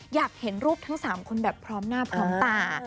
อยากเห็นรูปทั้ง๓คนแบบพร้อมหน้าพร้อมตา